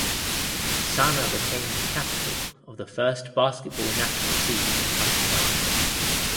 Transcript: Sana became the captain of the first basketball national team in Pakistan.